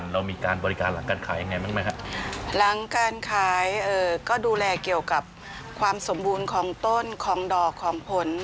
ล้างการขายเอ่ยก็ดูแลเกี่ยวกับความสมบูรณ์ของต้นของดอกของผล